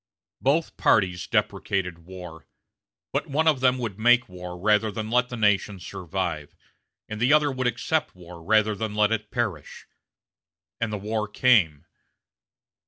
Both parties deprecated war; but one of them would make war rather than let the nation survive; and the other would accept war rather than let it perish. And the war came.